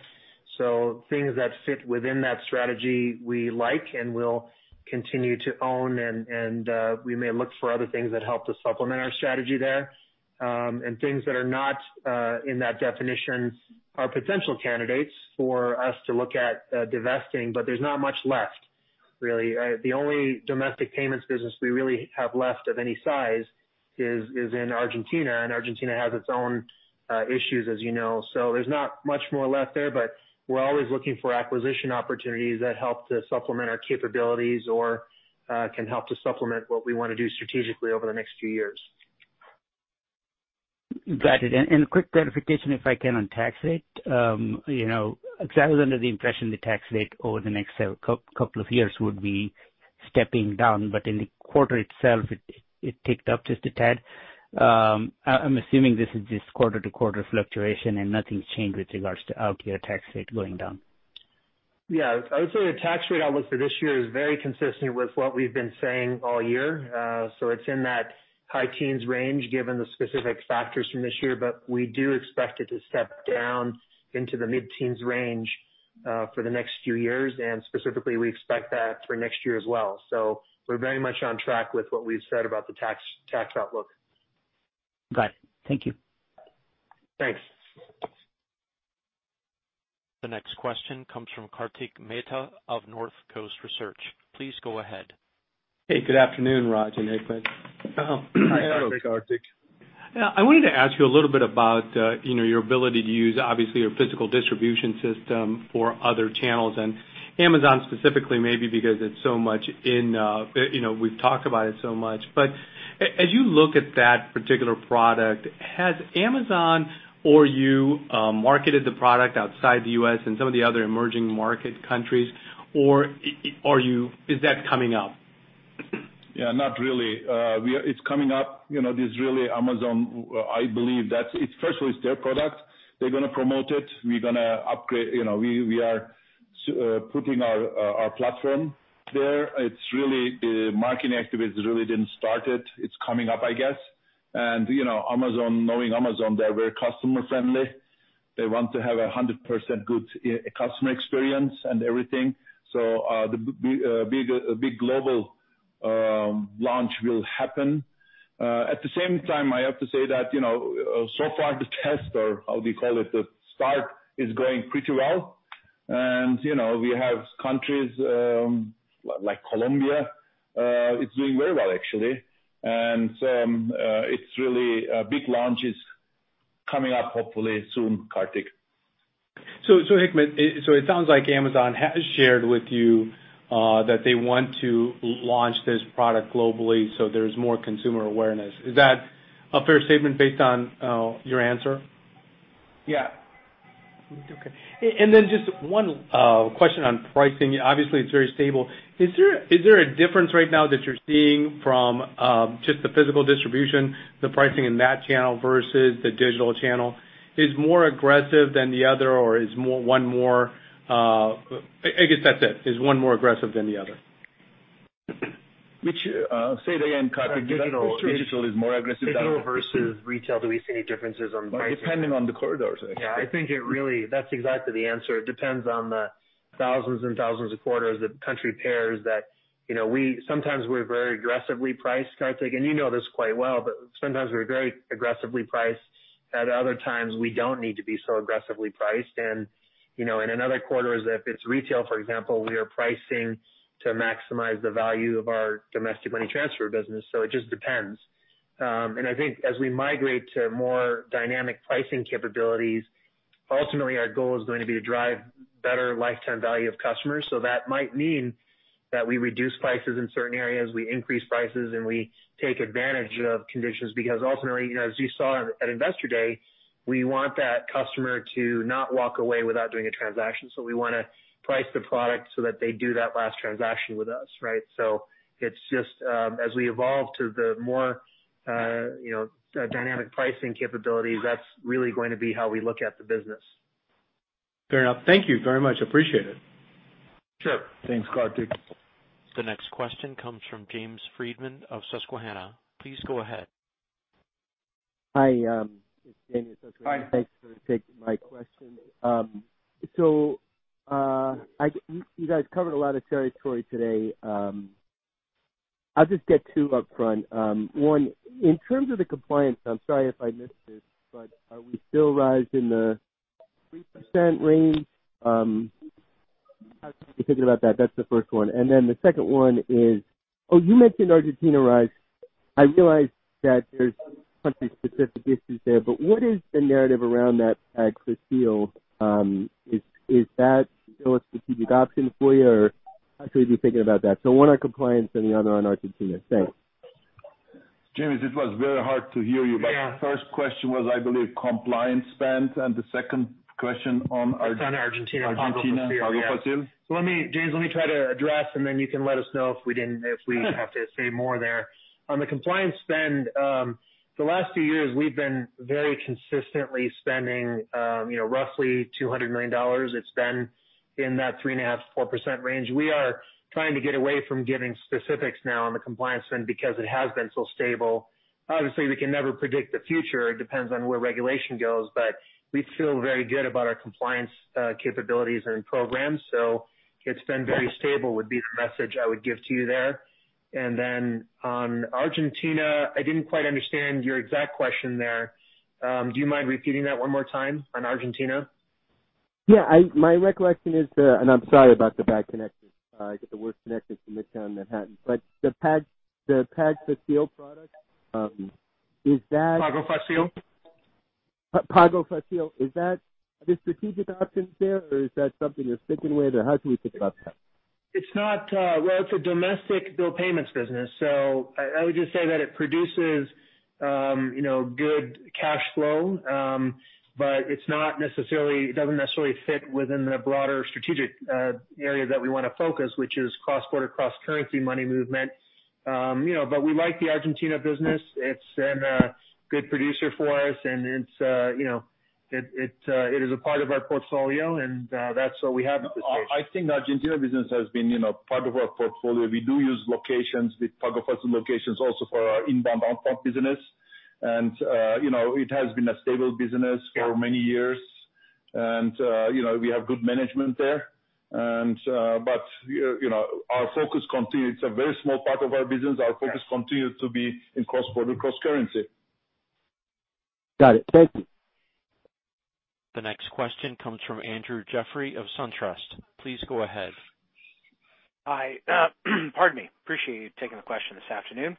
Things that fit within that strategy, we like and will continue to own and we may look for other things that help to supplement our strategy there. Things that are not in that definition are potential candidates for us to look at divesting, but there's not much left really. The only domestic payments business we really have left of any size is in Argentina, and Argentina has its own issues as you know. There's not much more left there, but we're always looking for acquisition opportunities that help to supplement our capabilities or can help to supplement what we want to do strategically over the next few years. Got it. Quick clarification, if I can, on tax rate. I was under the impression the tax rate over the next couple of years would be stepping down, but in the quarter itself it ticked up just a tad. I'm assuming this is just quarter-to-quarter fluctuation and nothing's changed with regards to our tax rate going down. Yeah. I would say the tax rate outlook for this year is very consistent with what we've been saying all year. It's in that high-teens range given the specific factors from this year, but we do expect it to step down into the mid-teens range for the next few years. Specifically, we expect that for next year as well. We're very much on track with what we've said about the tax outlook. Got it. Thank you. Thanks. The next question comes from Kartik Mehta of Northcoast Research. Please go ahead. Hey, good afternoon, Raj and Hikmet. Hi, Kartik. I wanted to ask you a little bit about your ability to use your physical distribution system for other channels and Amazon specifically, maybe because we've talked about it so much. As you look at that particular product, has Amazon or you marketed the product outside the U.S. in some of the other emerging market countries, or is that coming up? Yeah, not really. It's coming up. Amazon, I believe first it's their product. They're going to promote it. We're going to upgrade. We are putting our platform there. The marketing activities really didn't start it. It's coming up, I guess. Knowing Amazon, they're very customer-friendly. They want to have 100% good customer experience and everything. A big global launch will happen. At the same time, I have to say that so far the test or how do you call it, the start is going pretty well. We have countries like Colombia, it's doing very well actually. A big launch is coming up hopefully soon, Kartik. Hikmet, it sounds like Amazon has shared with you that they want to launch this product globally so there's more consumer awareness. Is that a fair statement based on your answer? Yeah. Okay. Just one question on pricing. Obviously, it's very stable. Is there a difference right now that you're seeing from just the physical distribution, the pricing in that channel versus the digital channel? I guess that's it. Is one more aggressive than the other? Say it again, Kartik. Digital. Digital is more aggressive than- Digital versus retail. Do we see any differences on pricing? Depending on the corridors, I think. Yeah, that's exactly the answer. It depends on the thousands and thousands of corridors of country pairs that sometimes we're very aggressively priced, Kartik, and you know this quite well, but sometimes we're very aggressively priced. At other times, we don't need to be so aggressively priced. In other corridors, if it's retail, for example, we are pricing to maximize the value of our domestic money transfer business. It just depends. I think as we migrate to more dynamic pricing capabilitiesUltimately, our goal is going to be to drive better lifetime value of customers. That might mean that we reduce prices in certain areas, we increase prices, and we take advantage of conditions. Ultimately, as you saw at Investor Day, we want that customer to not walk away without doing a transaction. We want to price the product so that they do that last transaction with us, right? It's just as we evolve to the more dynamic pricing capabilities, that's really going to be how we look at the business. Fair enough. Thank you very much. Appreciate it. Sure. Thanks, Kartik. The next question comes from James Friedman of Susquehanna. Please go ahead. Hi, it's James of Susquehanna. Hi. Thanks for taking my question. You guys covered a lot of territory today. I'll just get two upfront. One, in terms of the compliance, I'm sorry if I missed this, but are we still OpEx in the 3% range? How should we be thinking about that? That's the first one. The second one is you mentioned Argentina OpEx. I realize that there's country-specific issues there, but what is the narrative around that Pago Fácil? Is that still a strategic option for you, or how should we be thinking about that? One on compliance and the other on Argentina. Thanks. James, it was very hard to hear you. Yeah. First question was, I believe, compliance spend. It's on Argentina, Pago Fácil. Yeah. Argentina, Pago Fácil. James, let me try to address, then you can let us know if we have to say more there. On the compliance spend, the last few years, we've been very consistently spending roughly $200 million. It's been in that 3.5%-4% range. We are trying to get away from giving specifics now on the compliance spend because it has been so stable. Obviously, we can never predict the future. It depends on where regulation goes, we feel very good about our compliance capabilities and programs. It's been very stable would be the message I would give to you there. On Argentina, I didn't quite understand your exact question there. Do you mind repeating that one more time on Argentina? Yeah. My recollection is, and I am sorry about the bad connection. I get the worst connection from Midtown Manhattan. The Pago Fácil product, is that? Pago Fácil? Pago Fácil, is that a strategic option there, or is that something you're sticking with, or how can we think about that? Well, it's a domestic bill payments business. I would just say that it produces good cash flow. It doesn't necessarily fit within the broader strategic area that we want to focus, which is cross-border, cross-currency money movement. We like the Argentina business. It's been a good producer for us. It is a part of our portfolio. That's where we have it at this stage. I think the Argentina business has been part of our portfolio. We do use locations with Pago Fácil locations also for our inbound/outbound business. It has been a stable business for many years. We have good management there. It's a very small part of our business. Our focus continues to be in cross-border, cross-currency. Got it. Thank you. The next question comes from Andrew Jeffrey of SunTrust. Please go ahead. Hi. Pardon me. I appreciate you taking the question this afternoon.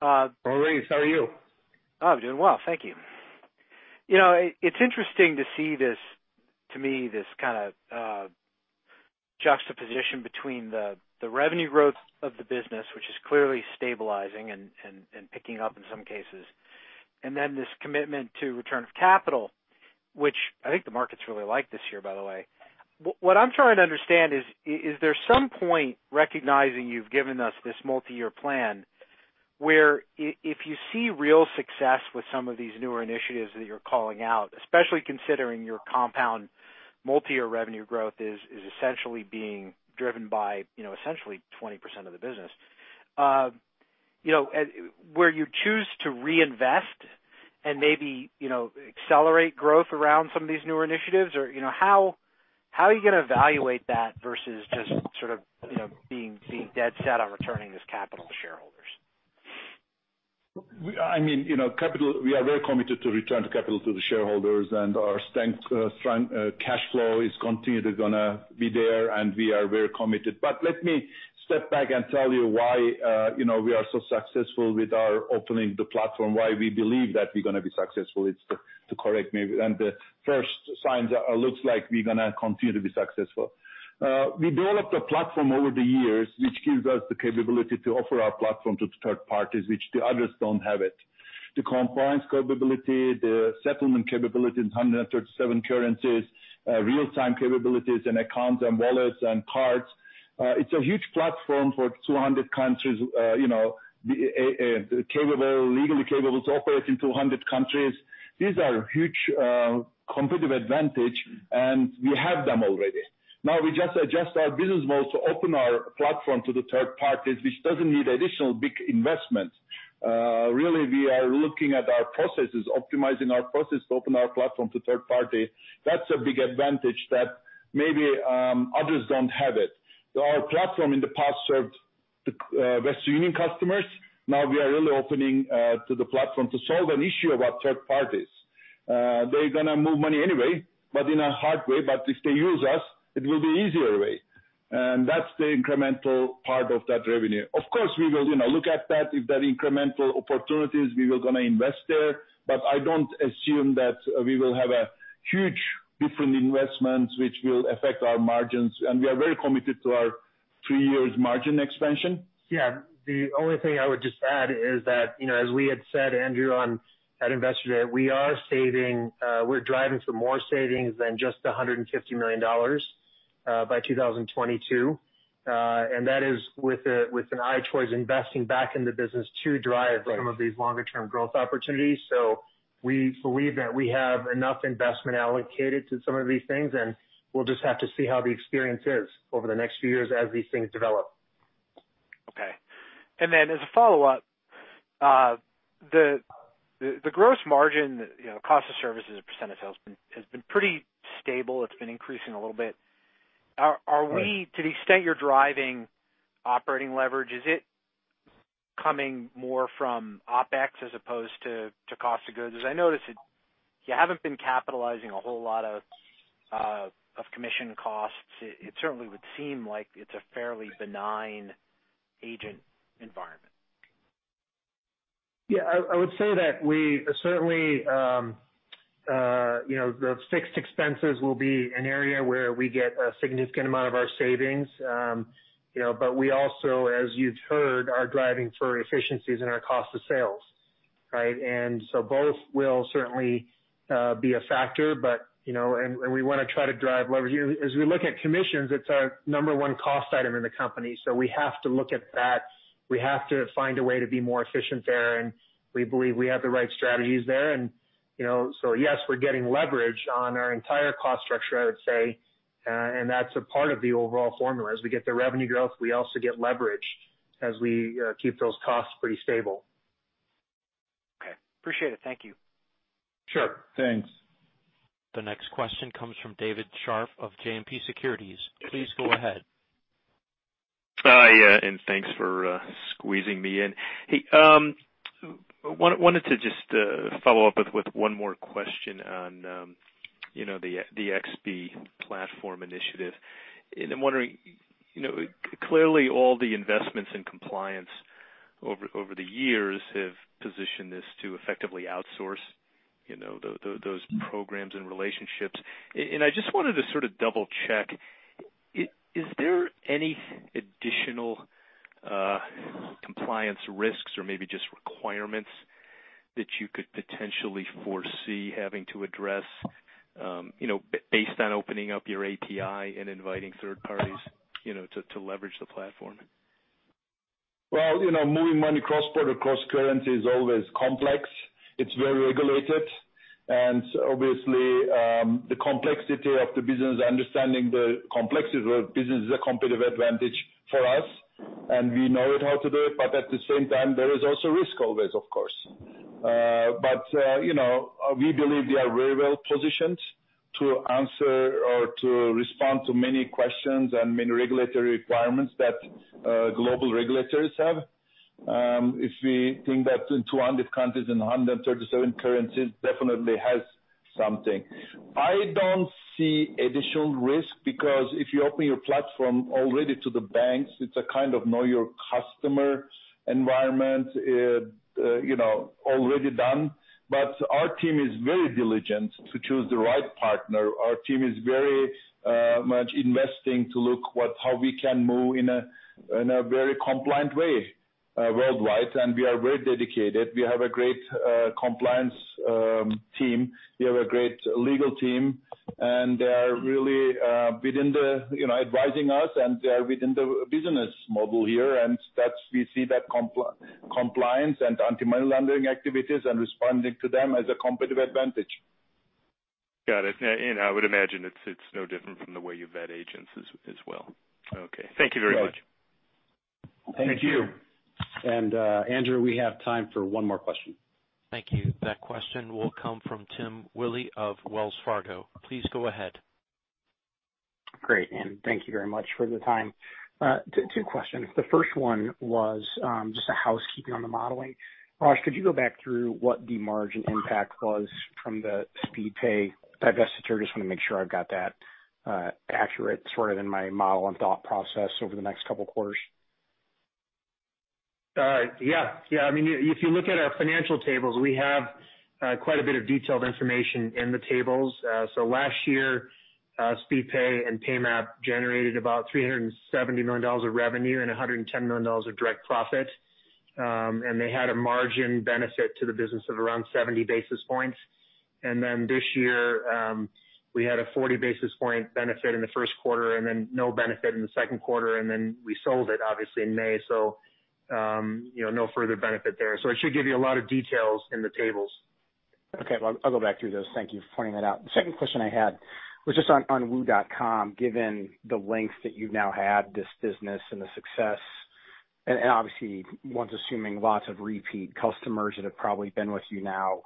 Always. How are you? I'm doing well. Thank you. It's interesting to see this, to me, this kind of juxtaposition between the revenue growth of the business, which is clearly stabilizing and picking up in some cases, and then this commitment to return of capital, which I think the market's really liked this year, by the way. What I'm trying to understand is there some point recognizing you've given us this multi-year plan where if you see real success with some of these newer initiatives that you're calling out, especially considering your compound multi-year revenue growth is essentially being driven by essentially 20% of the business. Where you choose to reinvest and maybe accelerate growth around some of these newer initiatives or how are you going to evaluate that versus just sort of being dead set on returning this capital to shareholders? We are very committed to return to capital to the shareholders, and our cash flow is continually going to be there, and we are very committed. Let me step back and tell you why we are so successful with our opening the platform, why we believe that we're going to be successful. It's the correct move, and the first signs looks like we're going to continue to be successful. We developed a platform over the years which gives us the capability to offer our platform to third parties, which the others don't have it. The compliance capability, the settlement capability in 137 currencies, real-time capabilities in accounts and wallets and cards. It's a huge platform for 200 countries, legally capable to operate in 200 countries. These are huge competitive advantage, and we have them already. Now we just adjust our business model to open our platform to the third parties, which doesn't need additional big investment. Really, we are looking at our processes, optimizing our process to open our platform to third parties. That's a big advantage that maybe others don't have it. Our platform in the past served the Western Union customers. Now we are really opening to the platform to solve an issue about third parties. They're going to move money anyway, but in a hard way. If they use us, it will be easier way. That's the incremental part of that revenue. Of course, we will look at that. If there are incremental opportunities, we are going to invest there. I don't assume that we will have a huge different investment which will affect our margins. We are very committed to our three years margin expansion. Yeah. The only thing I would just add is that, as we had said, Andrew, at Investor Day, we're driving for more savings than just $150 million by 2022. That is with an eye towards investing back in the business. Right some of these longer-term growth opportunities. We believe that we have enough investment allocated to some of these things, and we'll just have to see how the experience is over the next few years as these things develop. Okay. Then as a follow-up, the gross margin, cost of services as a % of sales has been pretty stable. It's been increasing a little bit. Right. To the extent you're driving operating leverage, is it coming more from OpEx as opposed to cost of goods? As I notice it, you haven't been capitalizing a whole lot of commission costs. It certainly would seem like it's a fairly benign agent environment. I would say that we certainly, the fixed expenses will be an area where we get a significant amount of our savings. We also, as you've heard, are driving for efficiencies in our cost of sales. Right? Both will certainly be a factor, and we want to try to drive leverage. As we look at commissions, it's our number one cost item in the company. We have to look at that. We have to find a way to be more efficient there, and we believe we have the right strategies there. Yes, we're getting leverage on our entire cost structure, I would say, and that's a part of the overall formula. As we get the revenue growth, we also get leverage as we keep those costs pretty stable. Okay. Appreciate it. Thank you. Sure. Thanks. The next question comes from David Scharf of JMP Securities. Please go ahead. Hi, and thanks for squeezing me in. Hey, wanted to just follow up with one more question on the cross-border platform initiative. I'm wondering, clearly all the investments in compliance over the years have positioned this to effectively outsource those programs and relationships. I just wanted to sort of double-check. Is there any additional compliance risks or maybe just requirements that you could potentially foresee having to address based on opening up your API and inviting third parties to leverage the platform? Well, moving money cross-border, cross-currency is always complex. It's very regulated. Obviously, the complexity of the business, understanding the complexity of the business is a competitive advantage for us. We know how to do it. At the same time, there is also risk always, of course. We believe we are very well positioned to answer or to respond to many questions and many regulatory requirements that global regulators have. If we think that in 200 countries and 137 currencies definitely has something. I don't see additional risk because if you open your platform already to the banks, it's a kind of know your customer environment already done. Our team is very diligent to choose the right partner. Our team is very much investing to look how we can move in a very compliant way worldwide, and we are very dedicated. We have a great compliance team, we have a great legal team, and they are really advising us, and they are within the business model here. We see that compliance and anti-money laundering activities and responding to them as a competitive advantage. Got it. I would imagine it's no different from the way you vet agents as well. Okay. Thank you very much. Right. Thank you. Thank you. Andrew, we have time for one more question. Thank you. That question will come from Tim Willi of Wells Fargo. Please go ahead. Great, thank you very much for the time. Two questions. The first one was just a housekeeping on the modeling. Raj, could you go back through what the margin impact was from the Speedpay divestiture? Just want to make sure I've got that accurate sort of in my model and thought process over the next couple quarters. Yeah. If you look at our financial tables, we have quite a bit of detailed information in the tables. Last year, Speedpay and Paymap generated about $370 million of revenue and $110 million of direct profit. They had a margin benefit to the business of around 70 basis points. This year, we had a 40 basis point benefit in the first quarter and then no benefit in the second quarter, and then we sold it obviously in May. No further benefit there. It should give you a lot of details in the tables. Okay. Well, I'll go back through those. Thank you for pointing that out. The second question I had was just on WU.com, given the length that you've now had this business and the success, and obviously one's assuming lots of repeat customers that have probably been with you now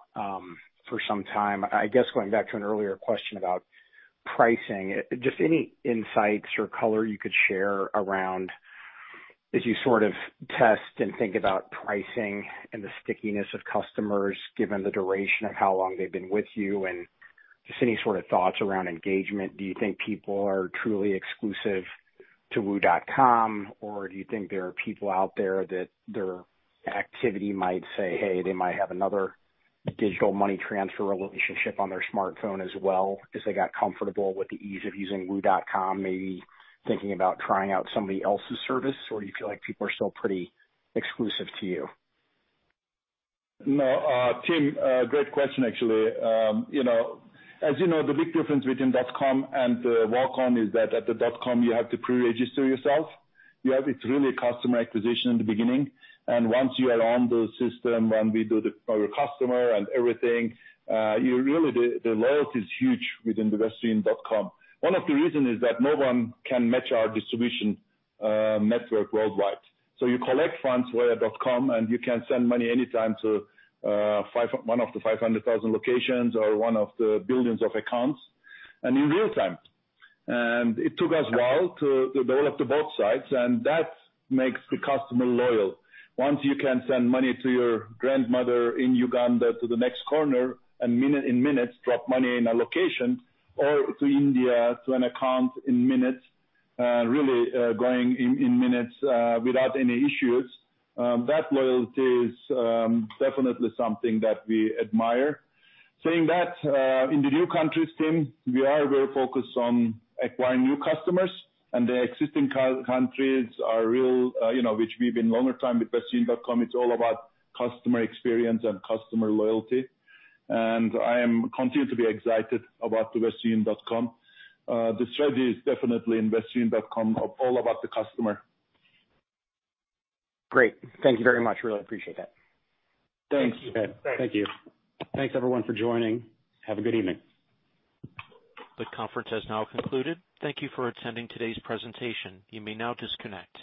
for some time. I guess going back to an earlier question about pricing. Just any insights or color you could share around as you sort of test and think about pricing and the stickiness of customers, given the duration of how long they've been with you, and just any sort of thoughts around engagement. Do you think people are truly exclusive to WU.com? Do you think there are people out there that their activity might say, hey, they might have another digital money transfer relationship on their smartphone as well, because they got comfortable with the ease of using wu.com, maybe thinking about trying out somebody else's service? Do you feel like people are still pretty exclusive to you? No, Tim, great question, actually. You know the big difference between WU.com and the walk-in is that at the WU.com you have to pre-register yourself. It's really customer acquisition in the beginning. Once you are on the system, and we do the customer and everything, really the loyalty is huge within the Western Union WU.com. One of the reason is that no one can match our distribution network worldwide. You collect funds via WU.com, and you can send money anytime to one of the 500,000 locations or one of the billions of accounts, and in real time. It took us a while to develop the both sides, and that makes the customer loyal. Once you can send money to your grandmother in Uganda to the next corner in minutes, drop money in a location, or to India to an account in minutes, really going in minutes without any issues, that loyalty is definitely something that we admire. Saying that, in the new countries, Tim, we are very focused on acquiring new customers, and the existing countries which we've been longer time with westernunion.com, it's all about customer experience and customer loyalty, and I am continue to be excited about the westernunion.com. The strategy is definitely in westernunion.com, all about the customer. Great. Thank you very much. Really appreciate that. Thanks. Thank you. Thanks everyone for joining. Have a good evening. The conference has now concluded. Thank you for attending today's presentation. You may now disconnect.